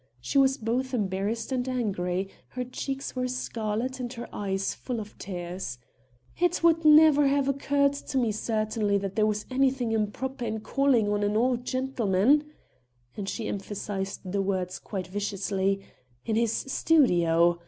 She was both embarrassed and angry; her cheeks were scarlet and her eyes full of tears. "It never would have occurred to me certainly that there was anything improper in calling on an old gentleman," and she emphasized the words quite viciously, "in his studio.